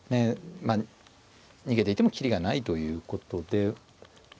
まあ逃げていても切りがないということで。